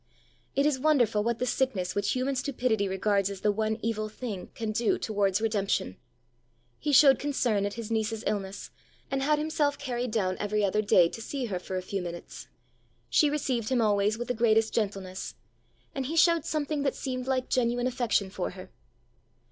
It is wonderful what the sickness which human stupidity regards as the one evil thing, can do towards redemption! He showed concern at his niece's illness, and had himself carried down every other day to see her for a few minutes. She received him always with the greatest gentleness, and he showed something that seemed like genuine affection for her.